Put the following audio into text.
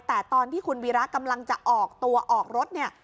แต่ตอนที่คุณวีระกำลังจะออกตัวออกรถเนี่ย